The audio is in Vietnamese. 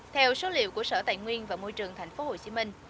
theo số liệu của sở tài nguyên và môi trường thành phố hồ chí minh